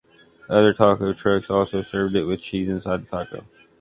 Other tacos trucks also served it with cheese inside the taco.